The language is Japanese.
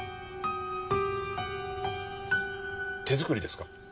手作りですか？